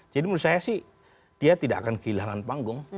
jadi menurut saya sih dia tidak akan kehilangan panggung